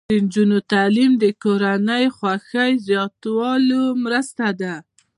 د نجونو تعلیم د کورنۍ خوښۍ زیاتولو مرسته ده.